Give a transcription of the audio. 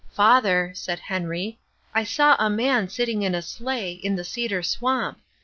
"Father," said Henry, "I saw a man sitting in a sleigh in the cedar swamp.